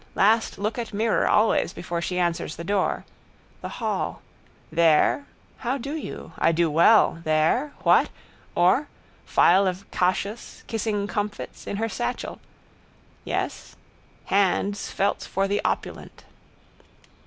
Last look at mirror always before she answers the door. The hall. There? How do you? I do well. There? What? Or? Phial of cachous, kissing comfits, in her satchel. Yes? Hands felt for the opulent.